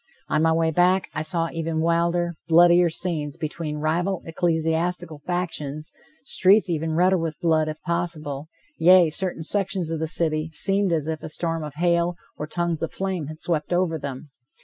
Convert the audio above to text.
On my way back, I saw even wilder, bloodier scenes, between rival ecclesiastical factions, streets even redder with blood, if possible, yea, certain sections of the city seemed as if a storm of hail, or tongues of flame had swept over them.